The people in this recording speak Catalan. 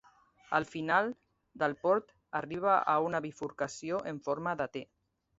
Al final del port arriba a una bifurcació en forma de T.